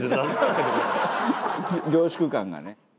凝縮感がね。